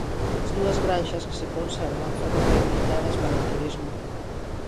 As dúas granxas que se conservan foron rehabilitadas para o turismo.